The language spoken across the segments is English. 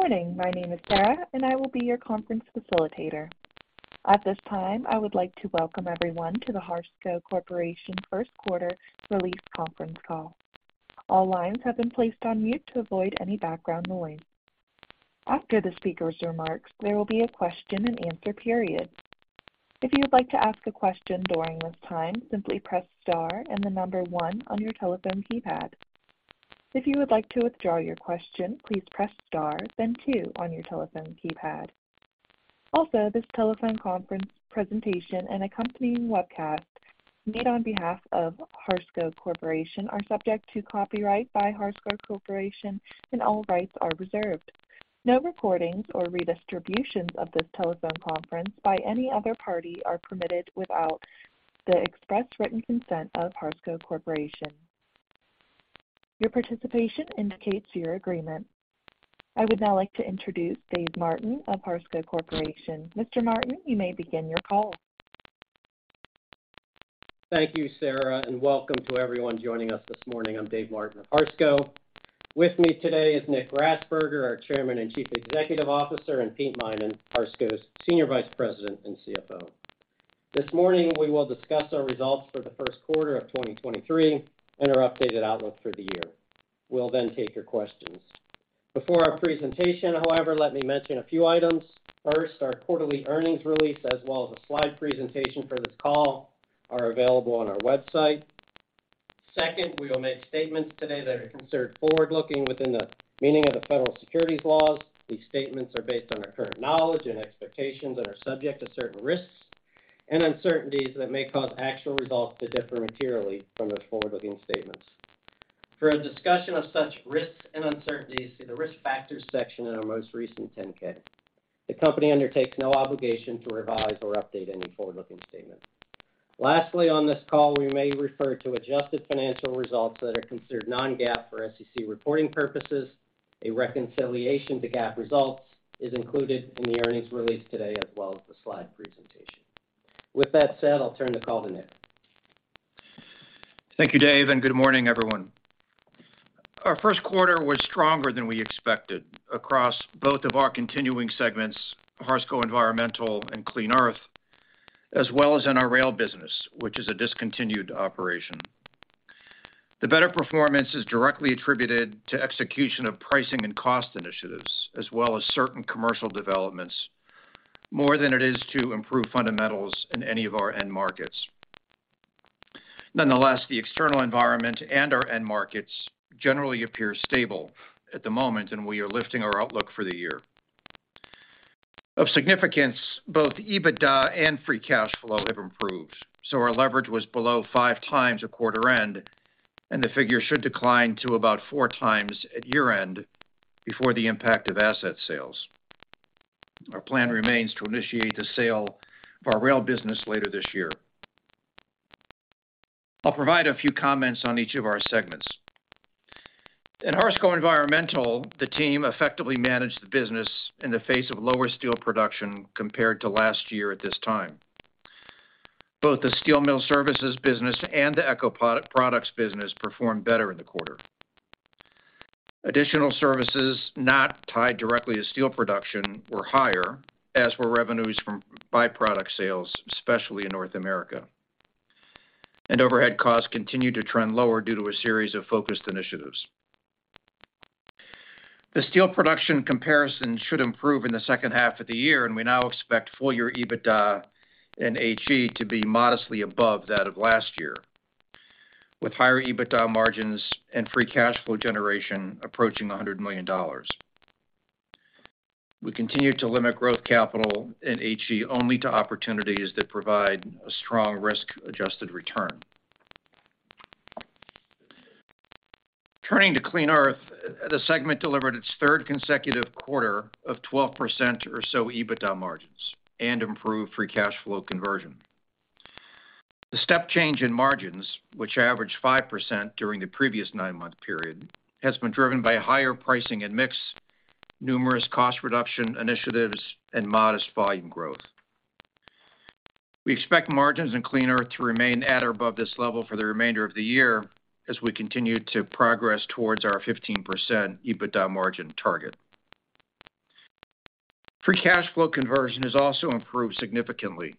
Good morning. My name is Sarah, I will be your conference facilitator. At this time, I would like to welcome everyone to the Harsco Corporation first quarter release conference call. All lines have been placed on mute to avoid any background noise. After the speaker's remarks, there will be a question-and-answer period. If you would like to ask a question during this time, simply press star and the one on your telephone keypad. If you would like to withdraw your question, please press star, then two on your telephone keypad. This telephone conference presentation and accompanying webcast made on behalf of Harsco Corporation are subject to copyright by Harsco Corporation, and all rights are reserved. No recordings or redistributions of this telephone conference by any other party are permitted without the express written consent of Harsco Corporation. Your participation indicates your agreement. I would now like to introduce Dave Martin of Harsco Corporation. Mr. Martin, you may begin your call. Thank you, Sarah. Welcome to everyone joining us this morning. I'm Dave Martin of Harsco. With me today is Nick Grasberger, our Chairman and Chief Executive Officer, and Pete Minan, Harsco's Senior Vice President and CFO. This morning, we will discuss our results for the first quarter of 2023 and our updated outlook for the year. We'll take your questions. Before our presentation, however, let me mention a few items. First, our quarterly earnings release, as well as a slide presentation for this call, are available on our website. Second, we will make statements today that are considered forward-looking within the meaning of the federal securities laws. These statements are based on our current knowledge and expectations and are subject to certain risks and uncertainties that may cause actual results to differ materially from those forward-looking statements. For a discussion of such risks and uncertainties, see the Risk Factors section in our most recent 10-K. The company undertakes no obligation to revise or update any forward-looking statement. Lastly, on this call, we may refer to adjusted financial results that are considered non-GAAP for SEC reporting purposes. A reconciliation to GAAP results is included in the earnings release today as well as the slide presentation. With that said, I'll turn the call to Nick. Thank you, Dave, good morning, everyone. Our first quarter was stronger than we expected across both of our continuing segments, Harsco Environmental and Clean Earth, as well as in our rail business, which is a discontinued operation. The better performance is directly attributed to execution of pricing and cost initiatives as well as certain commercial developments, more than it is to improve fundamentals in any of our end markets. Nonetheless, the external environment and our end markets generally appear stable at the moment, and we are lifting our outlook for the year. Of significance, both EBITDA and free cash flow have improved, so our leverage was below 5x at quarter end, and the figure should decline to about 4x at year-end before the impact of asset sales. Our plan remains to initiate the sale of our rail business later this year. I'll provide a few comments on each of our segments. In Harsco Environmental, the team effectively managed the business in the face of lower steel production compared to last year at this time. Both the steel mill services business and the Ecoproducts business performed better in the quarter. Additional services not tied directly to steel production were higher, as were revenues from by-product sales, especially in North America. Overhead costs continued to trend lower due to a series of focused initiatives. The steel production comparison should improve in the second half of the year, and we now expect full year EBITDA and HE to be modestly above that of last year, with higher EBITDA margins and free cash flow generation approaching $100 million. We continue to limit growth capital in HE only to opportunities that provide a strong risk-adjusted return. Turning to Clean Earth, the segment delivered its third consecutive quarter of 12% or so EBITDA margins and improved Free Cash Flow conversion. The step change in margins, which averaged 5% during the previous nine month period, has been driven by higher pricing and mix, numerous cost reduction initiatives, and modest volume growth. We expect margins in Clean Earth to remain at or above this level for the remainder of the year as we continue to progress towards our 15% EBITDA margin target. Free cash flow conversion has also improved significantly.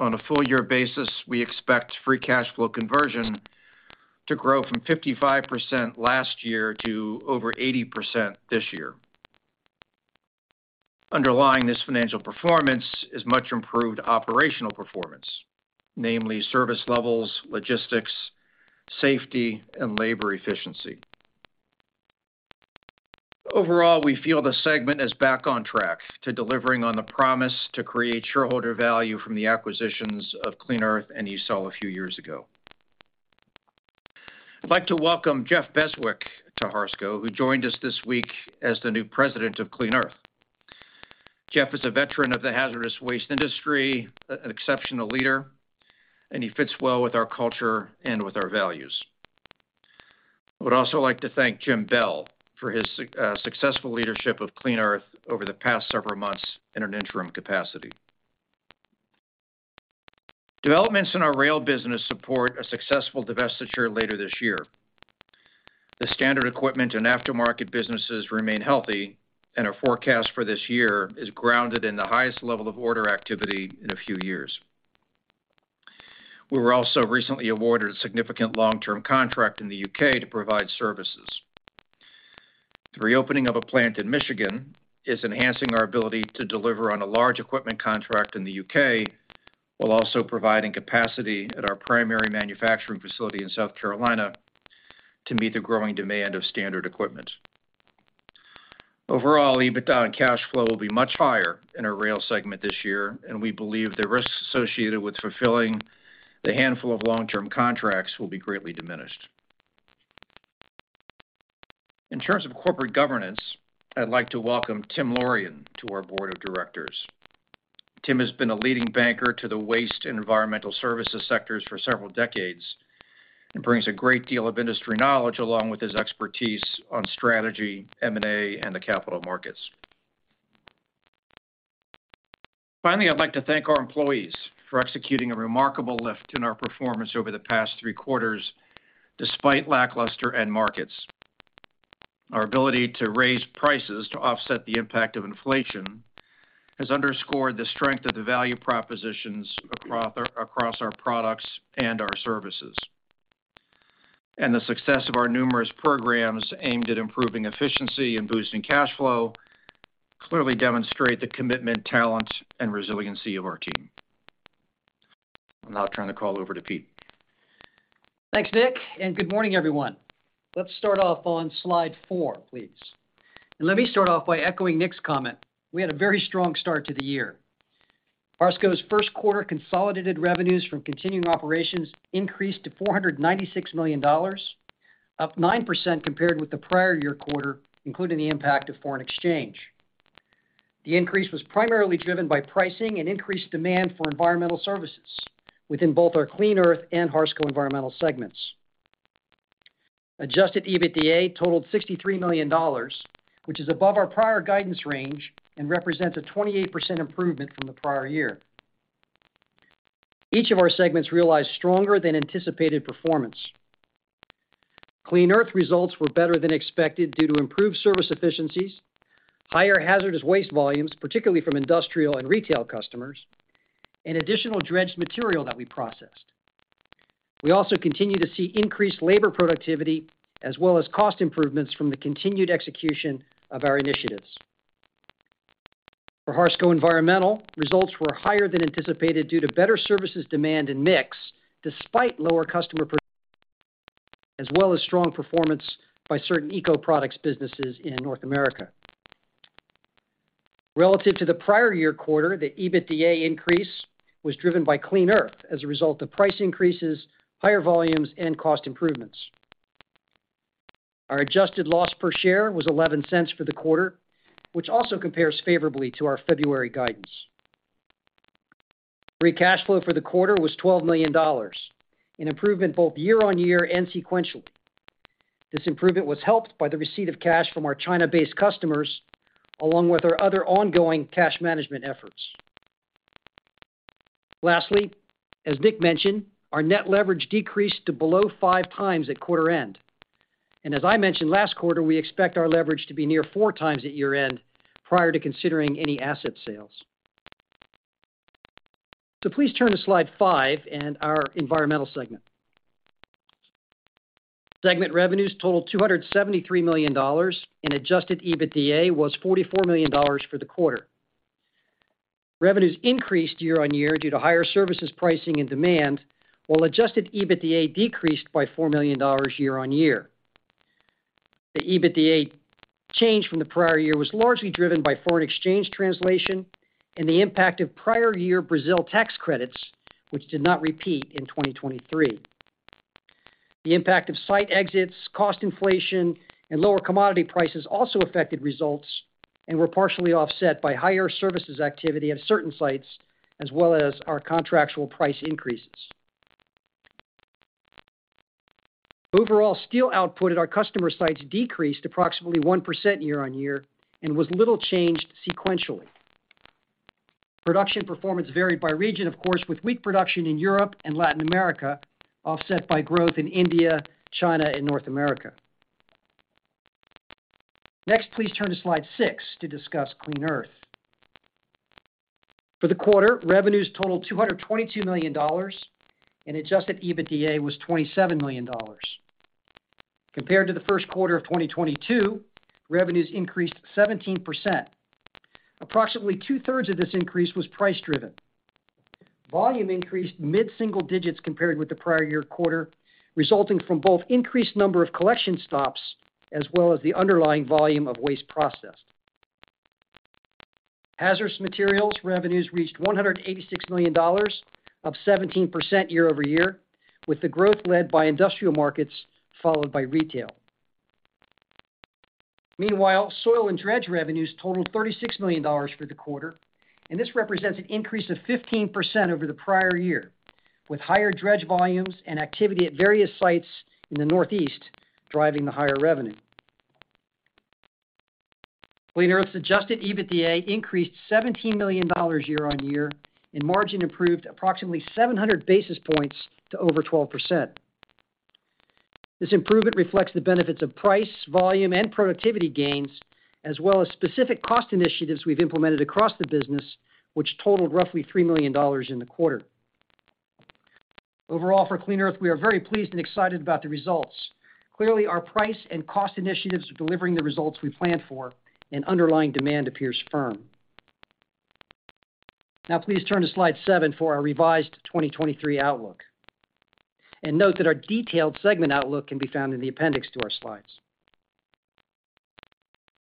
On a full year basis, we expect Free Cash Flow conversion to grow from 55% last year to over 80% this year. Underlying this financial performance is much improved operational performance, namely service levels, logistics, safety, and labor efficiency. Overall, we feel the segment is back on track to delivering on the promise to create shareholder value from the acquisitions of Clean Earth and ESOL a few years ago. I'd like to welcome Jeff Beswick to Harsco, who joined us this week as the new President of Clean Earth. Jeff is a veteran of the hazardous waste industry, an exceptional leader, and he fits well with our culture and with our values. I would also like to thank Jim Bell for his successful leadership of Clean Earth over the past several months in an interim capacity. Developments in our rail business support a successful divestiture later this year. The standard equipment and aftermarket businesses remain healthy, and our forecast for this year is grounded in the highest level of order activity in a few years. We were also recently awarded a significant long-term contract in the U.K. to provide services. The reopening of a plant in Michigan is enhancing our ability to deliver on a large equipment contract in the U.K., while also providing capacity at our primary manufacturing facility in South Carolina to meet the growing demand of standard equipment. Overall, EBITDA and cash flow will be much higher in our rail segment this year, and we believe the risks associated with fulfilling the handful of long-term contracts will be greatly diminished. In terms of corporate governance, I'd like to welcome Tim Laurion to our Board of Directors. Tim has been a leading banker to the waste and environmental services sectors for several decades and brings a great deal of industry knowledge along with his expertise on strategy, M&A, and the capital markets. Finally, I'd like to thank our employees for executing a remarkable lift in our performance over the past three quarters, despite lackluster end markets. Our ability to raise prices to offset the impact of inflation has underscored the strength of the value propositions across our products and our services. The success of our numerous programs aimed at improving efficiency and boosting cash flow clearly demonstrate the commitment, talent, and resiliency of our team. I'll now turn the call over to Pete. Thanks, Nick. Good morning, everyone. Let's start off on slide four, please. Let me start off by echoing Nick's comment. We had a very strong start to the year. Harsco's first quarter consolidated revenues from continuing operations increased to $496 million, up 9% compared with the prior year quarter, including the impact of foreign exchange. The increase was primarily driven by pricing and increased demand for environmental services within both our Clean Earth and Harsco Environmental segments. Adjusted EBITDA totaled $63 million, which is above our prior guidance range and represents a 28% improvement from the prior year. Each of our segments realized stronger than anticipated performance. Clean Earth results were better than expected due to improved service efficiencies, higher hazardous waste volumes, particularly from industrial and retail customers, and additional dredged material that we processed. We also continue to see increased labor productivity as well as cost improvements from the continued execution of our initiatives. For Harsco Environmental, results were higher than anticipated due to better services demand and mix despite lower customer as well as strong performance by certain Ecoproducts businesses in North America. Relative to the prior year quarter, the EBITDA increase was driven by Clean Earth as a result of price increases, higher volumes, and cost improvements. Our adjusted loss per share was $0.11 for the quarter, which also compares favorably to our February guidance. Free cash flow for the quarter was $12 million, an improvement both year-over-year and sequentially. This improvement was helped by the receipt of cash from our China-based customers, along with our other ongoing cash management efforts. As Nick mentioned, our net leverage decreased to below 5x at quarter end. As I mentioned last quarter, we expect our leverage to be near 4x at year-end prior to considering any asset sales. Please turn to slide five and our environmental segment. Segment revenues totaled $273 million, and adjusted EBITDA was $44 million for the quarter. Revenues increased year-over-year due to higher services pricing and demand, while adjusted EBITDA decreased by $4 million year-over-year. The EBITDA change from the prior year was largely driven by foreign exchange translation and the impact of prior year Brazil tax credits, which did not repeat in 2023. The impact of site exits, cost inflation, and lower commodity prices also affected results and were partially offset by higher services activity at certain sites as well as our contractual price increases. Overall, steel output at our customer sites decreased approximately 1% year-on-year and was little changed sequentially. Production performance varied by region, of course, with weak production in Europe and Latin America offset by growth in India, China, and North America. Next, please turn to slide six to discuss Clean Earth. For the quarter, revenues totaled $222 million, and adjusted EBITDA was $27 million. Compared to the first quarter of 2022, revenues increased 17%. Approximately two-thirds of this increase was price-driven. Volume increased mid-single digits compared with the prior year quarter, resulting from both increased number of collection stops as well as the underlying volume of waste processed. Hazardous materials revenues reached $186 million, up 17% year-over-year, with the growth led by industrial markets followed by retail. Meanwhile, soil and dredge revenues totaled $36 million for the quarter, this represents an increase of 15% over the prior year, with higher dredge volumes and activity at various sites in the Northeast driving the higher revenue. Clean Earth's adjusted EBITDA increased $17 million year-on-year, margin improved approximately 700 basis points to over 12%. This improvement reflects the benefits of price, volume, and productivity gains as well as specific cost initiatives we've implemented across the business, which totaled roughly $3 million in the quarter. Overall, for Clean Earth, we are very pleased and excited about the results. Clearly, our price and cost initiatives are delivering the results we planned for, underlying demand appears firm. Now please turn to slide seven for our revised 2023 outlook. Note that our detailed segment outlook can be found in the appendix to our slides.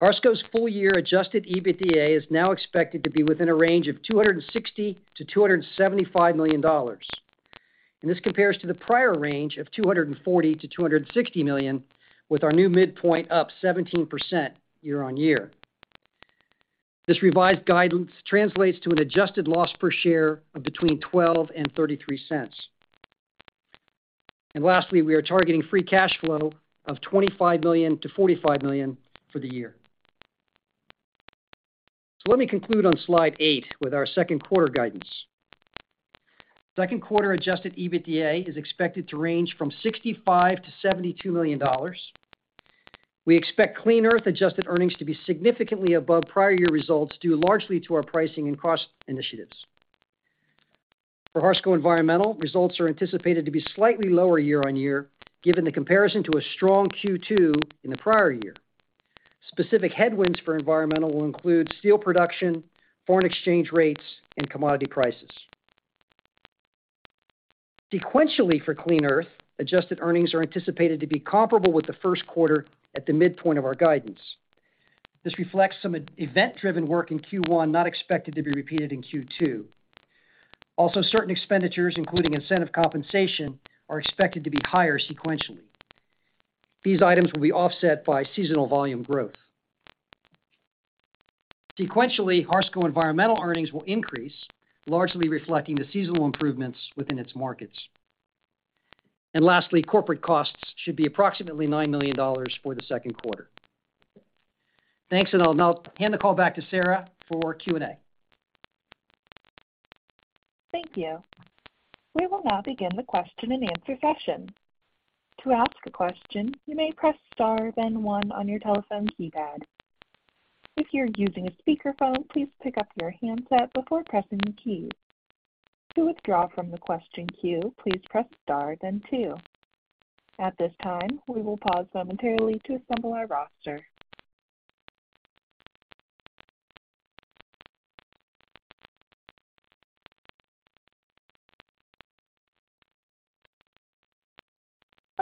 Harsco's full year adjusted EBITDA is now expected to be within a range of $260 million-$275 million, this compares to the prior range of $240 million-$260 million with our new midpoint up 17% year-on-year. This revised guidance translates to an adjusted loss per share of between $0.12 and $0.33. Lastly, we are targeting free cash flow of $25 million-$45 million for the year. Let me conclude on slide eight with our second quarter guidance. Second quarter adjusted EBITDA is expected to range from $65 million-$72 million. We expect Clean Earth adjusted earnings to be significantly above prior year results, due largely to our pricing and cost initiatives. For Harsco Environmental, results are anticipated to be slightly lower year-on-year, given the comparison to a strong Q2 in the prior year. Specific headwinds for Environmental will include steel production, foreign exchange rates, and commodity prices. Sequentially for Clean Earth, adjusted earnings are anticipated to be comparable with the first quarter at the midpoint of our guidance. This reflects some event-driven work in Q1 not expected to be repeated in Q2. Certain expenditures, including incentive compensation, are expected to be higher sequentially. These items will be offset by seasonal volume growth. Sequentially, Harsco Environmental earnings will increase, largely reflecting the seasonal improvements within its markets. Lastly, corporate costs should be approximately $9 million for the second quarter. Thanks. I'll now hand the call back to Sarah for Q&A. Thank you. We will now begin the question-and-answer session. To ask a question, you may press star then one on your telephone keypad. If you're using a speakerphone, please pick up your handset before pressing the key. To withdraw from the question queue, please press star then two. At this time, we will pause momentarily to assemble our roster.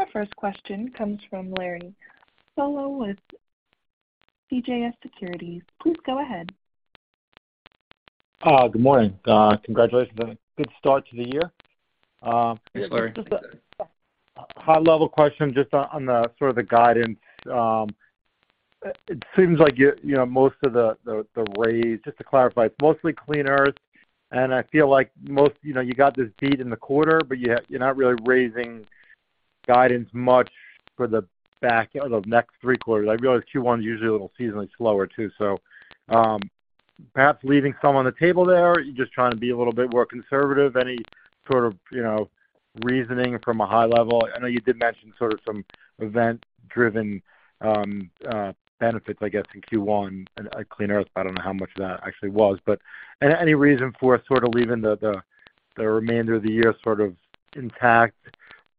Our first question comes from Larry Solow with CJS Securities. Please go ahead. Good morning. Congratulations on a good start to the year. Yeah, Larry. Just a high-level question just on the sort of the guidance. It seems like you're, you know, most of the, the raise, just to clarify, it's mostly Clean Earth, and I feel like most, you know, you got this beat in the quarter, but yet you're not really raising guidance much for the back of the next three quarters. I realize Q1 is usually a little seasonally slower too, so, perhaps leaving some on the table there or you're just trying to be a little bit more conservative. Any sort of, you know, reasoning from a high level? I know you did mention sort of some event-driven benefits, I guess, in Q1 at Clean Earth. I don't know how much that actually was, but any reason for sort of leaving the remainder of the year sort of intact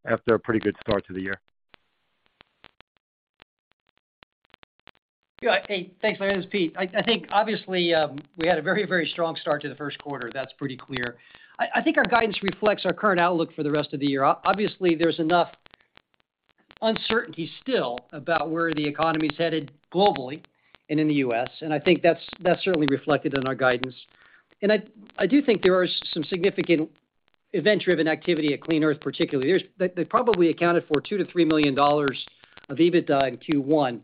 after a pretty good start to the year? Hey, thanks, Larry. This is Pete. I think obviously, we had a very, very strong start to the first quarter. That's pretty clear. I think our guidance reflects our current outlook for the rest of the year. Obviously, there's enough uncertainty still about where the economy is headed globally and in the U.S., and I think that's certainly reflected in our guidance. I do think there are some significant event-driven activity at Clean Earth particularly. They probably accounted for $2 million-$3 million of EBITDA in Q1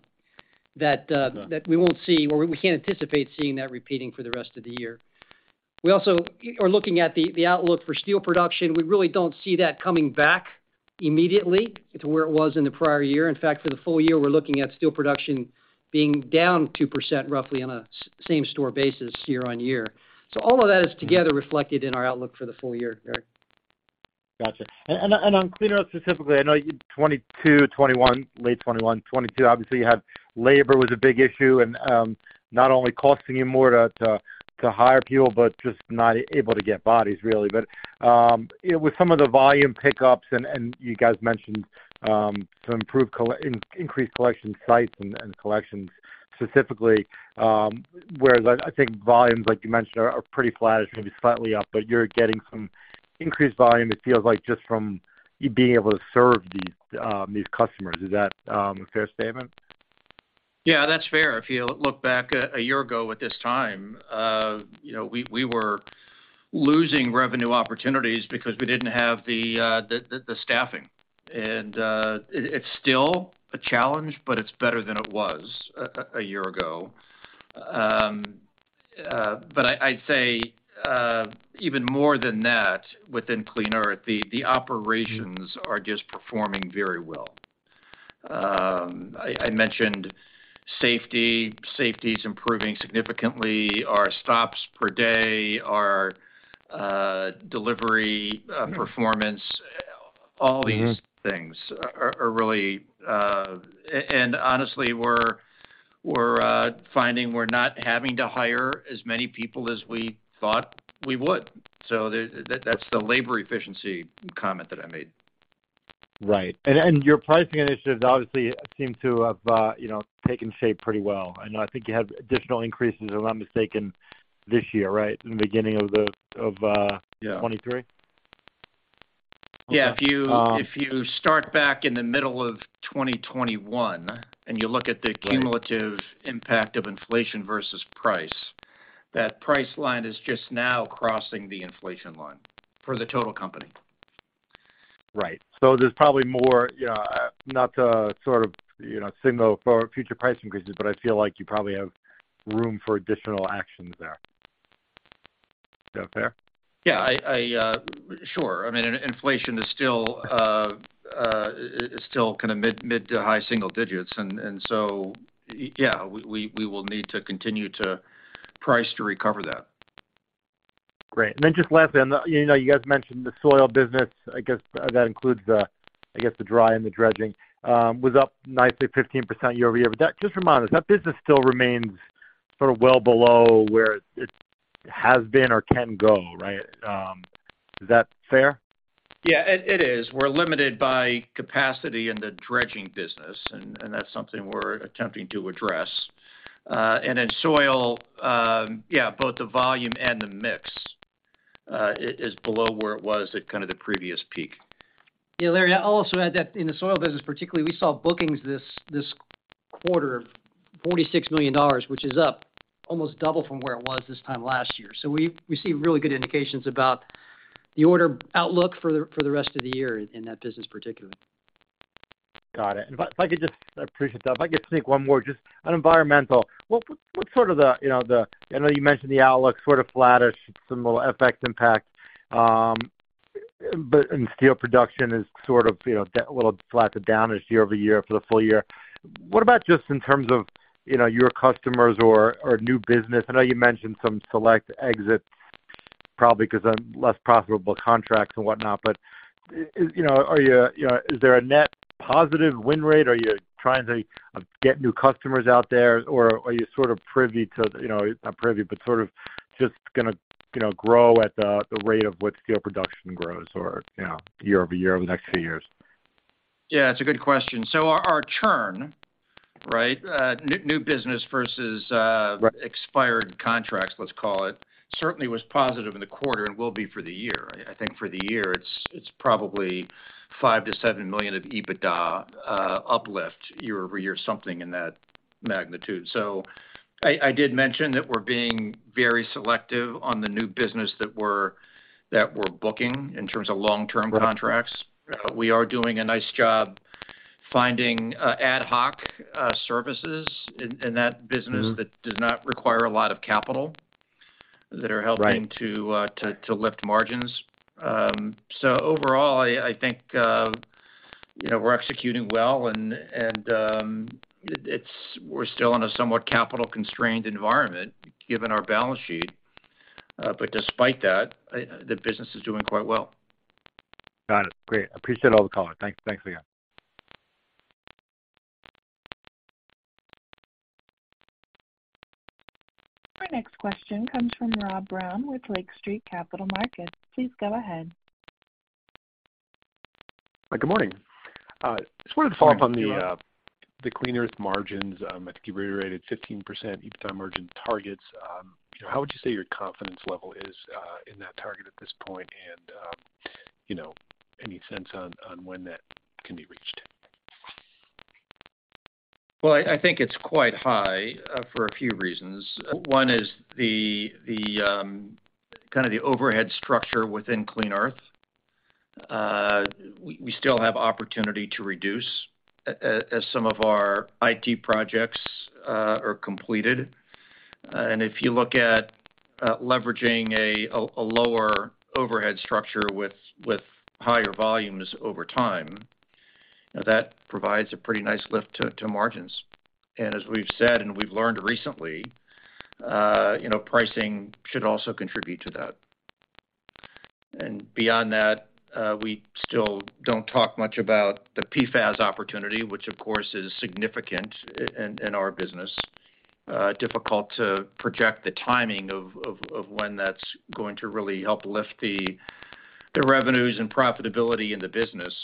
that we won't see, or we can't anticipate seeing that repeating for the rest of the year. We also are looking at the outlook for steel production. We really don't see that coming back immediately to where it was in the prior year. In fact, for the full year, we're looking at steel production being down 2% roughly on a same store basis year-on-year. All of that is together reflected in our outlook for the full year, Larry. Gotcha. On Clean Earth specifically, I know 2022, 2021, late 2021, 2022, obviously you had labor was a big issue and not only costing you more to hire people, but just not able to get bodies really. With some of the volume pickups and you guys mentioned to improve increase collection sites and collections specifically, whereas I think volumes, like you mentioned, are pretty flat. It's gonna be slightly up, but you're getting some increased volume, it feels like, just from you being able to serve these customers. Is that a fair statement? Yeah, that's fair. If you look back a year ago at this time, you know, we were losing revenue opportunities because we didn't have the staffing. It's still a challenge, but it's better than it was a year ago. I'd say, even more than that within Clean Earth, the operations are just performing very well. I mentioned safety. Safety is improving significantly. Our stops per day, our delivery performance, all these things are really. And honestly, we're finding we're not having to hire as many people as we thought we would. That's the labor efficiency comment that I made. Right. Your pricing initiatives obviously seem to have, you know, taken shape pretty well. I know I think you have additional increases, if I'm not mistaken, this year, right? Yeah... of 2023? Yeah. If you start back in the middle of 2021, and you look at cumulative impact of inflation versus price, that price line is just now crossing the inflation line for the total company. Right. There's probably more, not to sort of, you know, signal for future price increases, but I feel like you probably have room for additional actions there. Is that fair? Yeah, I... Sure. I mean, inflation is still kind of mid to high single digits. Yeah, we will need to continue to price to recover that. Great. Just lastly, I know you guys mentioned the soil business. I guess, that includes the, I guess, the dry and the dredging, was up nicely 15% year-over-year. Just remind us, that business still remains sort of well below where it has been or can go, right? Is that fair? Yeah, it is. We're limited by capacity in the dredging business, and that's something we're attempting to address. Soil, both the volume and the mix is below where it was at kind of the previous peak. Yeah, Larry, I'll also add that in the soil business particularly, we saw bookings this quarter of $46 million, which is up almost double from where it was this time last year. We see really good indications about the order outlook for the rest of the year in that business particularly. Got it. If I could just, I appreciate that. If I could sneak one more, just on environmental. What's sort of the, you know, the I know you mentioned the outlook, sort of flattish, some little FX impact. Steel production is sort of, you know, a little flattish down this year-over-year for the full year. What about just in terms of, you know, your customers or new business? I know you mentioned some select exits probably 'cause of less profitable contracts and whatnot. Is there a net positive win rate? Are you trying to get new customers out there, or are you sort of privy to, you know, not privy, but sort of just gonna, you know, grow at the rate of what steel production grows or, you know, year-over-year over the next few years? Yeah, it's a good question. Our churn, right? New business versus expired contracts, let's call it, certainly was positive in the quarter and will be for the year. I think for the year it's probably $5 million-$7 million of EBITDA uplift year-over-year, something in that magnitude. I did mention that we're being very selective on the new business that we're booking in terms of long-term contracts. Right. We are doing a nice job finding, ad hoc, services in that business does not require a lot of capital, that are helping to lift margins. Overall, I think, you know, we're executing well and, we're still in a somewhat capital constrained environment given our balance sheet. Despite that, the business is doing quite well. Got it. Great. I appreciate all the color. Thanks. Thanks again. Our next question comes from Rob Brown with Lake Street Capital Markets. Please go ahead. Hi, good morning. Just wanted to follow up on the. Good morning.... the Clean Earth margins. I think you reiterated 15% EBITDA margin targets. You know, how would you say your confidence level is in that target at this point? You know, any sense on when that can be reached? Well, I think it's quite high for a few reasons. One is the kind of the overhead structure within Clean Earth. We still have opportunity to reduce as some of our IT projects are completed. If you look at leveraging a lower overhead structure with higher volumes over time, you know, that provides a pretty nice lift to margins. As we've said, and we've learned recently, you know, pricing should also contribute to that. Beyond that, we still don't talk much about the PFAS opportunity, which of course is significant in our business. Difficult to project the timing of when that's going to really help lift the revenues and profitability in the business.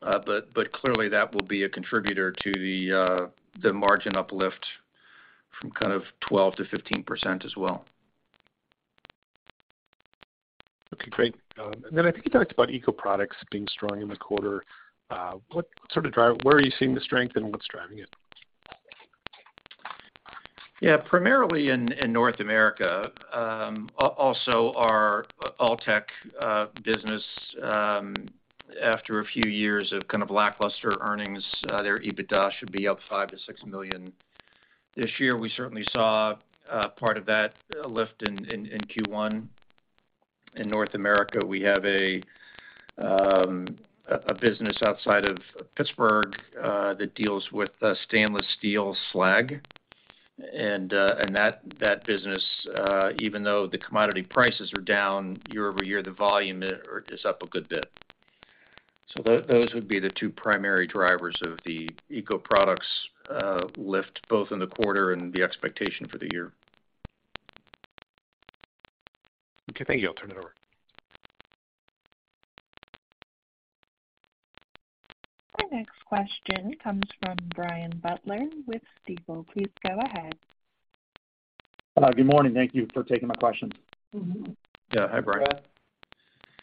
Clearly that will be a contributor to the margin uplift from kind of 12%-15% as well. Okay, great. I think you talked about Ecoproducts being strong in the quarter. Where are you seeing the strength and what's driving it? Yeah, primarily in North America. Also our ALTEK business, After a few years of kind of lackluster earnings, their EBITDA should be up $5 million-$6 million this year. We certainly saw part of that lift in Q1. In North America, we have a business outside of Pittsburgh that deals with stainless steel slag. That business, even though the commodity prices are down year-over-year, the volume is up a good bit. Those would be the two primary drivers of the Ecoproducts lift both in the quarter and the expectation for the year. Okay, thank you. I'll turn it over. The next question comes from Brian Butler with Stifel. Please go ahead. Hello, good morning. Thank you for taking my questions. Hi, Brian.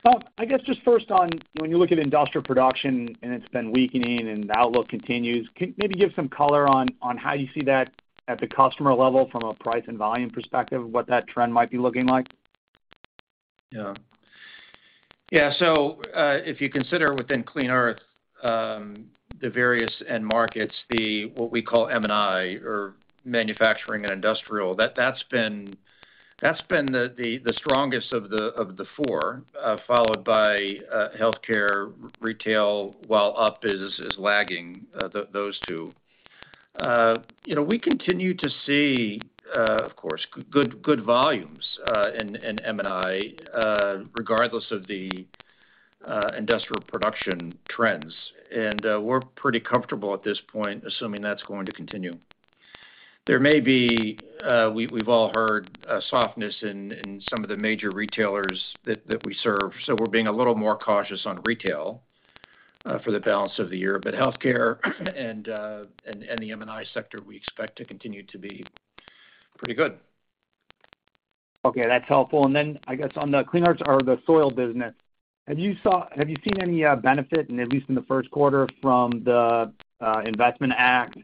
Well, I guess just first on when you look at industrial production, and it's been weakening and the outlook continues, can you maybe give some color on how you see that at the customer level from a price and volume perspective, what that trend might be looking like? Yeah. Yeah, if you consider within Clean Earth, the various end markets, the what we call M&I or manufacturing and industrial, that's been the strongest of the four, followed by healthcare, retail, while up is lagging those two. You know, we continue to see, of course, good volumes in M&I, regardless of the industrial production trends. We're pretty comfortable at this point, assuming that's going to continue. There may be, we've all heard a softness in some of the major retailers that we serve, so we're being a little more cautious on retail, for the balance of the year. Healthcare and the M&I sector, we expect to continue to be pretty good. Okay, that's helpful. Then I guess on the Clean Earth or the soil business, have you seen any benefit, at least in the first quarter from the Investment Act?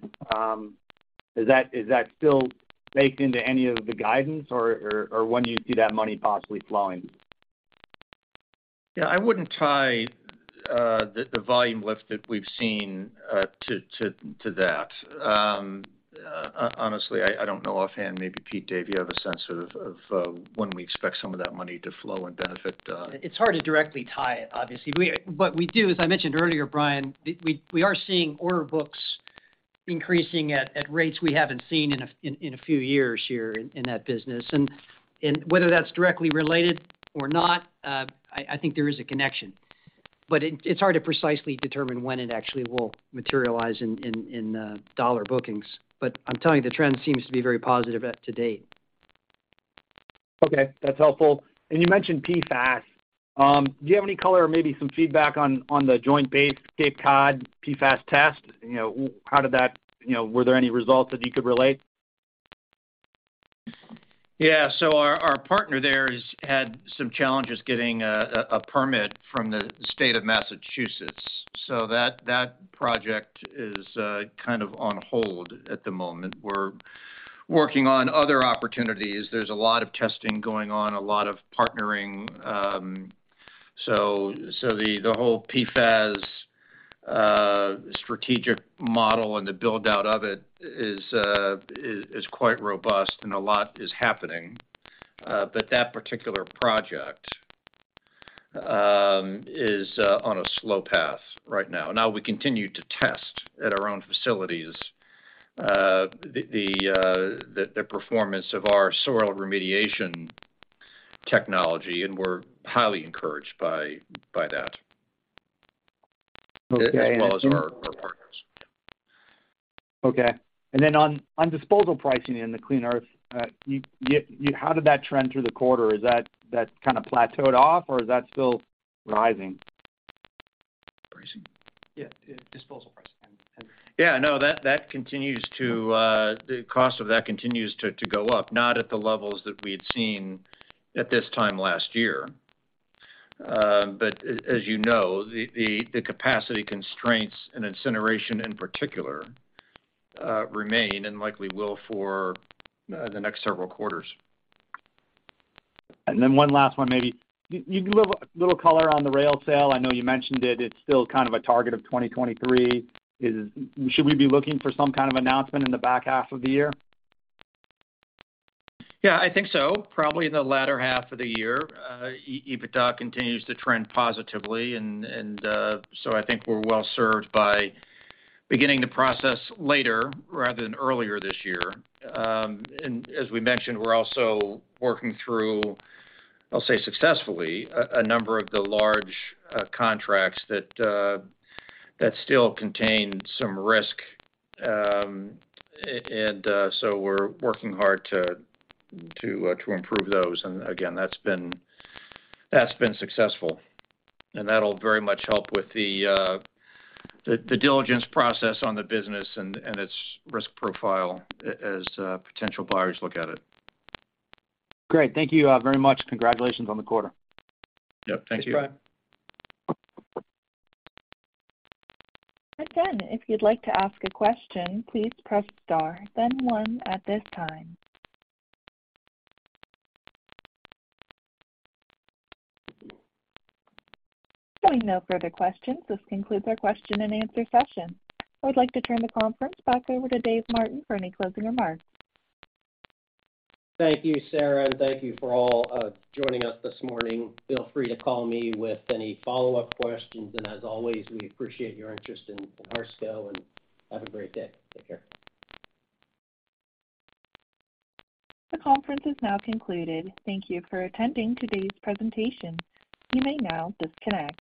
Is that still baked into any of the guidance or when do you see that money possibly flowing? Yeah. I wouldn't tie, the volume lift that we've seen, to that. Honestly, I don't know offhand. Maybe Pete, Dave, you have a sense of when we expect some of that money to flow and benefit the. It's hard to directly tie, obviously. We do, as I mentioned earlier, Brian, we are seeing order books increasing at rates we haven't seen in a few years here in that business. Whether that's directly related or not, I think there is a connection. It's hard to precisely determine when it actually will materialize in dollar bookings. I'm telling you, the trend seems to be very positive at to date. Okay, that's helpful. You mentioned PFAS. Do you have any color or maybe some feedback on the Joint Base Cape Cod PFAS test? You know, were there any results that you could relate? Yeah. Our partner there has had some challenges getting a permit from the State of Massachusetts. That project is kind of on hold at the moment. We're working on other opportunities. There's a lot of testing going on, a lot of partnering, so the whole PFAS strategic model and the build-out of it is quite robust and a lot is happening. That particular project is on a slow path right now. We continue to test at our own facilities, the performance of our soil remediation technology, and we're highly encouraged by that. Okay. As well as our partners. Okay. On, on disposal pricing in the Clean Earth, how did that trend through the quarter? Is that kind of plateaued off or is that still rising? Pricing? Yeah, yeah, disposal pricing. Yeah, no, the cost of that continues to go up. Not at the levels that we had seen at this time last year. As you know, the capacity constraints and incineration, in particular, remain and likely will for the next several quarters. One last one, maybe. A little color on the rail sale. I know you mentioned it. It's still kind of a target of 2023. Should we be looking for some kind of announcement in the back half of the year? Yeah, I think so. Probably in the latter half of the year. EBITDA continues to trend positively and, so I think we're well served by beginning the process later rather than earlier this year. As we mentioned, we're also working through, I'll say successfully, a number of the large contracts that still contain some risk. So we're working hard to improve those. Again, that's been successful. That'll very much help with the due diligence process on the business and its risk profile as potential buyers look at it. Great. Thank you very much. Congratulations on the quarter. Yeah, thank you. Thanks, Brian. Again, if you'd like to ask a question, please press Star, then one at this time. Seeing no further questions, this concludes our question and answer session. I would like to turn the conference back over to Dave Martin for any closing remarks. Thank you, Sarah, and thank you for all joining us this morning. Feel free to call me with any follow-up questions. As always, we appreciate your interest in Harsco, and have a great day. Take care. The conference is now concluded. Thank you for attending today's presentation. You may now disconnect.